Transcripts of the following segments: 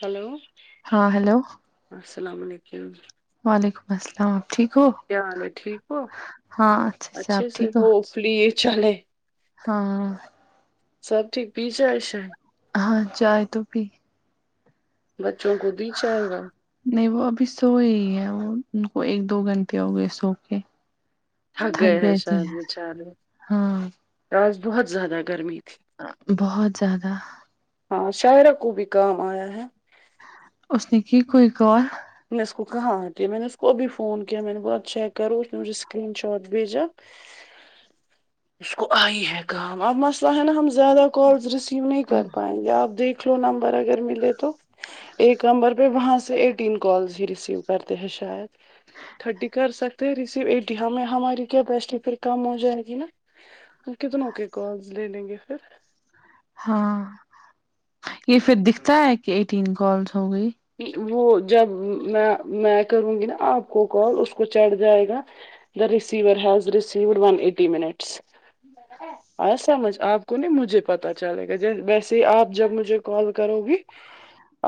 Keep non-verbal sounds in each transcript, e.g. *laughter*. hello ہاں hello السلام علیکم وعلیکم السلام آپ ٹھیک ہو کیا حال ہے ٹھیک ہو ہاں اچھے سے آپ ٹھیک ہو فلی چلیں ہاں سب ٹھیک بھی جالس ہاں چائے تو پی بچوں خود ہیچ آۓ گا نہیں وہ ابھی سو ہی ہیں وہ ان کو ایک دو گھنٹے ہو گئے سو کے تھک ہیں گئے تھے شاید بیچارے ہاں آج بہت زیادہ گرمی تھی بہت زیادہ ہاں شاہرہ کو بھی کام آیا ہے اس نے کی کوئی کال میں اس کو کہا آتی میں نے اس کو بھی فون کیا میں نے کہا چیک کرو اس نے مجھے اسکرین شاٹ بھیجو اس کو آئی ہے کام اب مسئلہ ہے نا ہم زیادہ کالز ریسیو نہیں کر پائیں گے آپ دیکھ لو نمبر اگر ملے تو ایک نمبر پہ وہاں سے ایک تین کالز ہی ریسیو کرتے ہیں شاید ٹھرٹی کر سکتے ہیں ریسیو ایٹی ہمیں ہماری کیا بیسٹی پھر کم ہو جائے گی نا وہ کتنوں کے کالز لے لیں گے پھر ہاں یہ پھر دکھتا ہے کہ ایٹین کالس ہو گئی وہ جب میں میں کروں گی نا آپ کو کال اس کو چڑھ جائے گا دا رسور ہز ریسوز ون ایٹی منٹس آیا سمجھ آپ کو نہیں مجھے پتا چلے گا ویسے ہی آپ جب مجھے کال کرو گی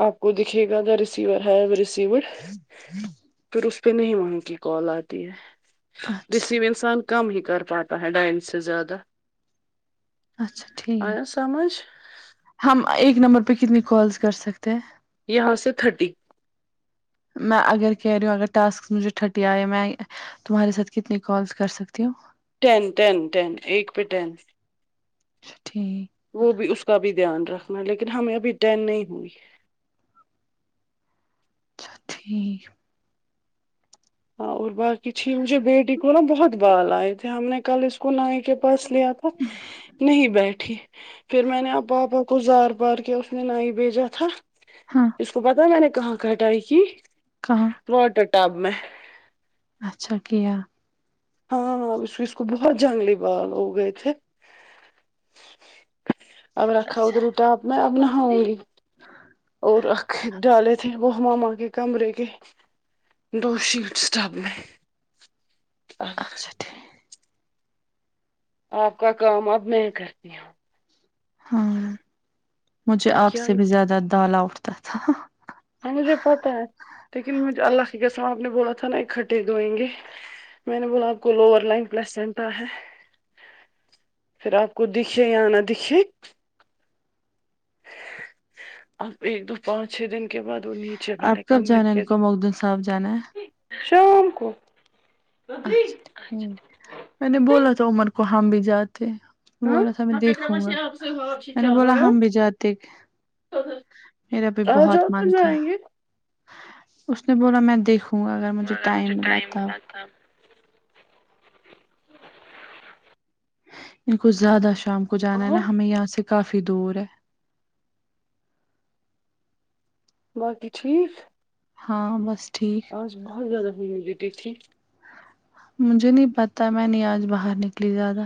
آپ کو دکھے گا دا ریسیور ہے ریسیو *inaudible* پھر اس پہ نہیں وہاں کی کال آتی ہے اچھا دسیی مینس انسان کم ہی کر پاتا ہے ڈائن سے زیادہ اچھا ٹھیک آیا سمجھ ہم ایک نمبر پہ کتنی کالس کر سکتے ہیں یہاں سے ٹھرٹی میں اگر کہہ رہی ہوں اگر ٹاسکس مجھے تھرٹی آئے میں تمہارے ساتھ کتنی کالس کر سکتی ہو ٹین ٹین ٹین ایک پہ ٹین اچھا ٹھیک وہ بھی اس کا بھی دھیان رکھنا لیکن ہمیں ابھی ٹین نہیں ہوئی اچھا ٹھیک ہاں اور باقی چھ مجھے بیٹی کو نا بہت بال آئے تھے ہم نے کل اس کو نائ کے پاس لیا تھا نہیں بیٹھی پھر میں نے اب پاپا گزار پار کیا اس نے نائی بھیجا تھا ہاں اس کو پتا ہے میں نے کہاں کٹائی کی کہاں واٹر ٹب میں اچھا کیا ہاں اس اس کو بہت جنگلی بال ہو گئے تھے اب رکھا اچھا ادھر ٹپ میں اب نہاؤں گی اور آکھیں ڈالے تھے وہ ماما کے کمرے کے دو شیٹس ڈب میں ہاں *unintelligible* آپ کا کام اب میں کرتی ہوں ہاں مجھے اب آپ کیا سے بھی زیادہ دالا تھا ہاں مجھے پتا ہے لیکن مجھے اللہ کے قسم آپ نے بولا تھا نا اکھٹے دھوئیں گے میں نے بولا آپ کو لوور لائن پلسنٹا ہے پھر آپ کو دکھے یا نہ دکھے اب ایک دو پانچ چھ دن کے بعد وہ نی آپ کب جانا ہے ان کو مخدن صاحب جانا ہے شام کو اچھا ٹھیک میں نے بولا تھا عمر کو ہم بھی جاتے بولا تھا میں ہاں دیکھوں گا میں نے کیا بولا بول رہے ہو ہم بھی جاتے میرا بھی آ بہت جاؤ تو من تھا جائیں گے اس نے بولا میں دیکھوں کھوں گا اگر مجھے ٹائم ملا تو ان کو زیادہ شام کو جانا ہے ناں اور ہمیں یہاں سے کافی دور ہے باقی ٹھیک ہاں بس ٹھیک آج بہت زیادہ ہیومیڈٹی تھی مجھے نہیں پتہ میں نہیں آج باہر نکلی زیادہ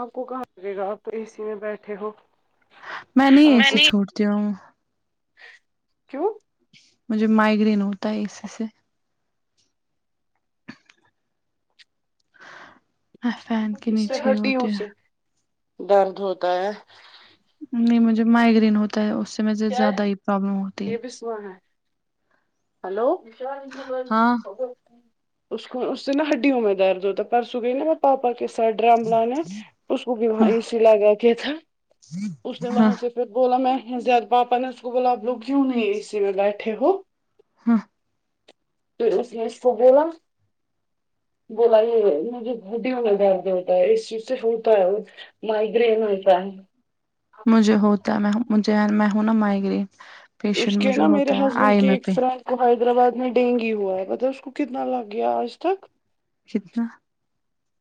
آپ کو کہاں لگے گا آپ اے سی میں بیٹھے ہو میں نہیں آپ اے سی کو چھوڑتی ہوں کیوں مجھے مائگرین ہوتا ہے اے سی سے فین کے اس سے نیچے ہی ہٹییوں ہوتے ہیں سے درد ہوتا ہے نہیں مجھے مائگرین ہوتا ہے اس سے میں زیادہ ہی پرابلم ہوتا یہ بھی سو ہے ہلو ہاں اس کو اس سے نا ہڈیوں میں درد ہوتا پرسوں گئی ناں ب پاپا کے ساتھ ڈرم لانا اس کو بھی وہاں ہ اے سی لگا کے تھا اس نے ہ وہاں سے پھر بولا میں زیاد پاپا نے اس کو بولا آپ لوگ کیوں نہیں اے سی میں بیٹھے ہو ہاں اس نے اس کو بولا بولا یہ مجھے ہڈیوں میں درد ہوتا ہے اس چیز سے ہوتا ہے مائیگرین ہوتا ہے مجھے ہوتا ہے میں مجھے میں ہوں ناں مائیگرین اس پیشنٹ کے مجھے نا میرے ہوتا ہے ہسبینڈ آئی کے میں ایک پہ فرینڈ حیدرآباد میں ڈینگی ہوا ہے پتہ اس کو کتنا لگ گیا آج تک کتنا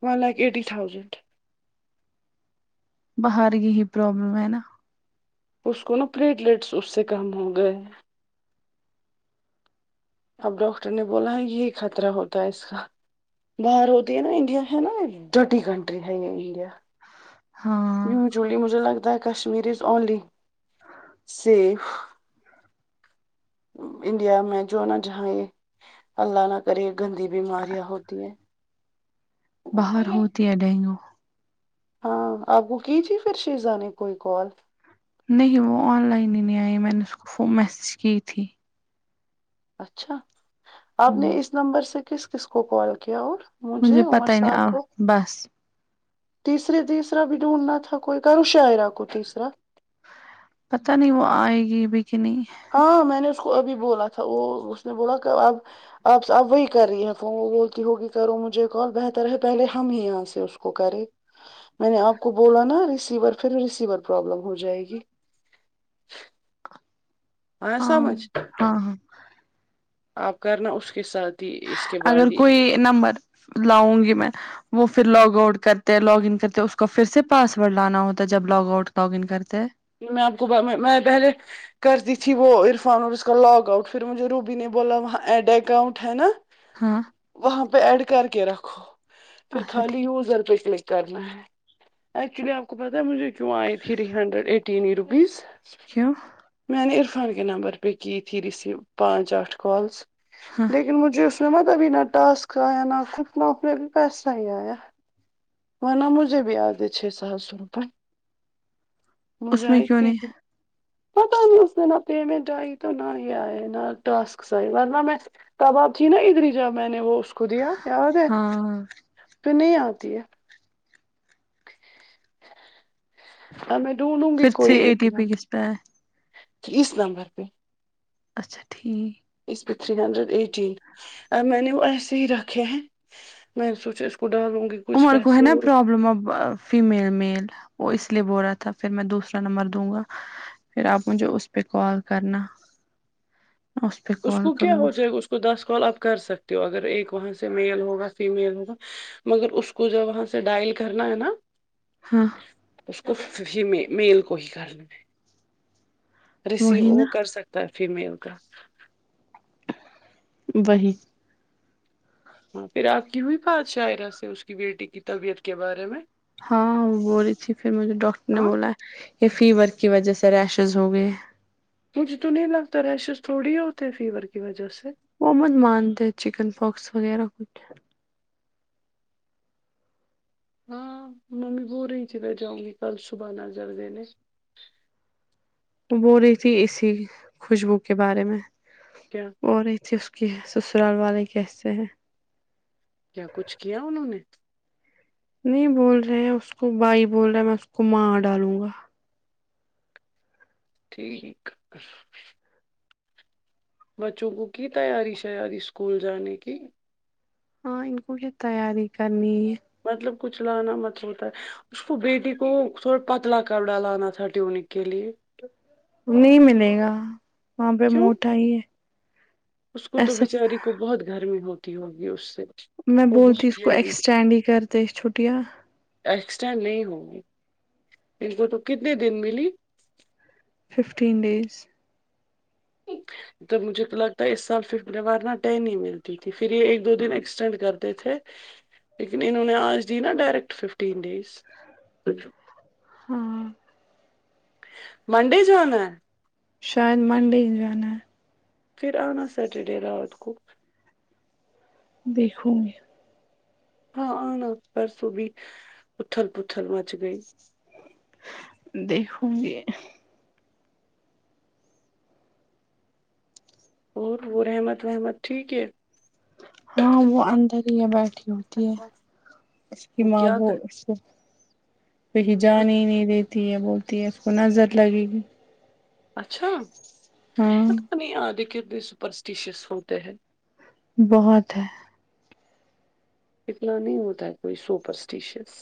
ون لیک ایٹی تھاؤزنڈ باہر کی ہی پروابلم ہے ناں اس کو ناں پلیٹ لیٹس اس سے کم ہوگئے اب ڈاکٹر نے بولا ہے یہی خطرہ ہوتا ہے اس کا باہر ہوتی ہے ناں انڈیا ہے ن ڈرٹی کنٹری ہے انڈیا ہاں یوژولی مجھے لگتا ہے Kashmir is only C India میں جو ناں جہاں یہ اللہ نہ کرے گندی بیماریاں ہوتی ہیں باہر ہوتی ہے ڈینگو ہاں آپ کو کی تھی پھر شیزا نے کوئی کال نہیں وہ آن لائن ہی نہیں آئی میں نے اس کو ف میسیج کی تھی اچھا ہ آپ نے اس نمبر سے کس کس کو کال کیا اور مجھ مجھے عمر پتا ہی نہیں صاحب آؤ کو بس تیسرے تیسرا بھی ڈھونڈنا تھا کوئی کروں شاعرہ کو تیسرا پتہ نہیں وہ آئے گی بھی کی نہیں ہاں میں نے اس کو ابھی بولا تھا وہ اس نے بولا اب آپ اب وہی کر رہی ہیں فون وہ بولتی ہوگی کرو مجھے کال بہتر ہے پہلے ہم ہی یہاں سے کو کرے میں نے آپ کو بولا نا ریسیور پھر ریسیور پروابلم ہو جائے گی آیا ہاں سمجھ ہاں ہاں آپ کرنا اس کے ساتھ ہی اس کے اگر بعد ہی کوئی نمبر لاؤں گی میں وہ پھر لاگ آؤٹ کرتے لاگن کرتے اس کو پھر سے پاسورڈ لانا ہوتا ہے جب لاگ آؤٹ لاگ ان کرتے جی میں آپ کو میں پہلے کر دی تھی وہ عرفان اور اس کا لاگ آؤٹ پھر مجھے روبی نے بولا وہاں ایڈ اکاؤنٹ ہے نا ہاں وہاں پہ ایڈ کر کے رکھو پھر اچھا خالی ٹھیک یوزر پہ کلک کرنا ہے ایکچولی آپ کو پتا ہے مجھے کیوں آئی تھی تھری ہنڈریڈ ایٹین روپیز کیوں میں نے عرفان کے نمبر پے کی تھی رسیو پانچ آٹ کالز ہاں لیکن مجھے اس میں مل ابھی نہ ٹاسک آیا نہ کچھ نہ اس میں پیسہ ہی آیا وہنا مجھےبھی آتے چھ سات سو روپئے اس موزاہ میں کیوں کی نہیں پتا نہیں اس میں نہ پمنٹ آئی تو ہی نہ آئی ہے نہ ٹاسک آئے ورنہ میں تب آپ تھی نا ادھر جب میں نے وہ اس کو دیا یاد ہے ہاں پھر نہیں آتی ہے ہاں میں ڈونڈوں گی کوئی ایک دم پ کہ اس نمبر پہ اچھا ٹھیک اس پہ تھری ہنڈریڈ ایٹین ا میں نے وہ ایسے ہی رکھے ہیں میں سوچا اس کو ڈالوں گی کچھ امر کو پیسے ہے اور پروابلم اب فیمیل میل وہ اس لیے بول رہا تھا پھر میں دوسرا نمبر دوں گا پھر آپ مجھے اس پہ کال کرنا اس کو کیا ہو جائے گا اس کو دس کال آپ کر سکتے ہو اگر ایک وہاں سے میل ہوگا فیمیل ہوگا مگر اس کو جو وہاں سے ڈائل کرنا ہے نا ہاں اس کو ہی میل کو ہی کرنا ہے ریسیو وہی نا وہ کر سکتا ہے فیمیل کا وہہی ہاں پھر آپ کی ہوئی بات شاعرہ سے اس کی بیٹی کی طبیعت کے بارے میں ہاں وہ بول رہی تھی پھر مجھے ڈاکٹر نے ہاں بولا کہ فیور کی وجہ سے ریشز ہو گئے مجھے تو نہیں لگتا ریشز تھوڑی ہوتے ہیں فیور کی وجہ سے وہ بہت مانتے چکن پاکس وغیرہ کچھ ہاں ممی بول رہی تھی میں جاؤں گی کل صبح نظر دینے وہ بول رہی تھی اسی خوشبو کے بارے میں کیا عورت اس کی سسرال والے کیسے ہیں کیا کچھ کیا انہوں نے نہیں بول رہے ہیں اس کو بھائی بول رہا ہے میں اس کو مار ڈالوں گا ٹھیک بچوں کو کی تیاری شیاری اسکول جانے کی ہاں ان کو بھی تیاری کرنی ہے مطلب کچھ لانا مت ہوتا ہے اس کو بیٹی کو تھوڑا پتلا کر ڈلانا تھا ٹیونی کے لیے نہیں ملے گا وہاں پہ کیوں موٹا ہی ہے اس کو تو ایسا بچاری کو بہت گرمی ہوتی ہوگی اس سے میں وہ بولتی بہت اس کو ہیوی ایکسٹینڈ ہی کردے چٹھیاں ایکسٹینڈ نہیں ہوگی ان کو تو کتنے دن ملی ففٹین ڈیز تو مجھے لگتا ہے اس سال فف مارنہ ٹین ہی ملتی تھی پھر یہ ایک دو دن ایکسٹینڈ کرتے تھے لیکن انہوں نے آج دی نا ڈائریکٹ ففٹین ڈیز ہاں منڈے جانا ہے شاید منڈے ہی جانا ہے پھر آنا سیٹرڈے رات کو دیکھو گی ہاں آنا پرسوں بھی پتل پتھل مچ گئی دیکھوں گی اور وہ رحمت وحمت ٹھیک ہے ہاں وہ اندر ہی بیٹھی ہوتی ہے اس کی وہ ماں کیا بو کر کہیں جانے ہی نہیں دیتی ہے بولتی ہے اس کو نظر لگے گی اچھا ہاں نہیں آدے کےنے سپرسٹیشیس ہوتے ہیں بہت ہے اتنا نہیں ہوتا ہے کوئی سپرسٹیشیس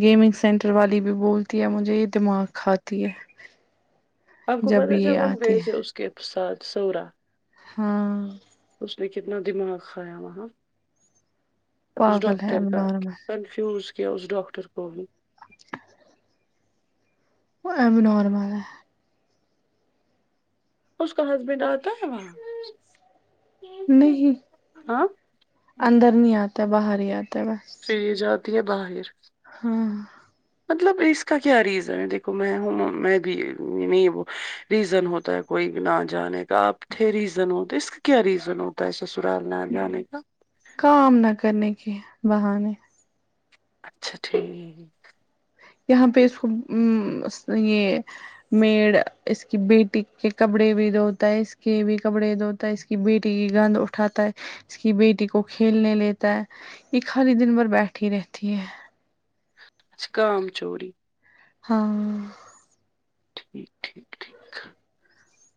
گیمنگ سینٹر والی بھی بولتی ہے مجھے یہ دماغ کھاتی ہے آپ کو پتہ جب یہ ہم گئے آتی ہے سو اس کے ساتھ سورا ہاں اس نے کتنا دماغ کھایا وہاں اس پاگل ہے ڈاکٹر اب کا نارمل کنفیوز کیا اس ڈاکٹر کو بھی وہ اب نارمل ہے اس کا ہسبینڈ آتا ہے وہاں نہیں ہاں اندر نہیں آتا ہے باہر ہی آتا ہے بس پھر یہ جاتی ہے باہر ہاں مطلب اس کا کیا ریزن ہے دیکھو میں ہوں میں بھی نہیں وہ ریزن ہوتا ہے کوئی نہ جانے کا آپ تھے ریزن ہوتا اس کا کیا ریزن ہو تا سسرال نا جانے کا کام نہ کرنے کے بہانے اچھا ٹھیک یہاں پہ اس کو م ا یہ میڈ اس کی بیٹی کے کپڑے بھی دھوتا ہے اس کے بھی کپڑے دھوتا ہے اس کہ بیٹی کی گند اٹھاتا ہے اس کی بیٹی کو کھیلنے لیتا ہے یہ خالی دن بھر بیٹھی رہتی ہے اچ کام چوری ہاں ٹھیک ٹھیک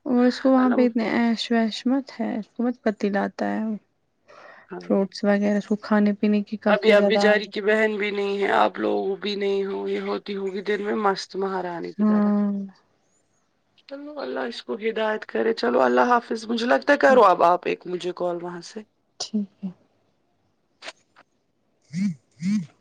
اور اس کو وہاں پہ الم اتنے ایش ویش مت ہے اس کو مت پتی لاتا ہے وہ فروٹس وغیرہ اسکو کھانے پینے کی ابھی کافی آپ زیادہ بچاری عادت کی بہن بھی نہیں ہے آپ لوگ بھی نہیں ہوں یہ ہوتی ہوگی دن میں مست اس مہارانی کی طرح ہاں چلو اللہ اس کو ہدایت کرے چلو اللہ حافظ مجھے لگتا ہے کرو اب آپ ایک مجھے کال وہاں سے ٹھیک ہے *inaudible*